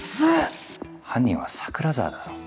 犯人は桜沢だろ。